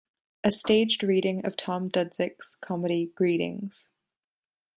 A staged reading of Tom Dudzick's comedy Greetings!